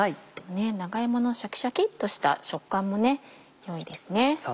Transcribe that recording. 長芋のシャキシャキっとした食感も良いですね。